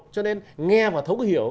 cho nên nghe và thấu hiểu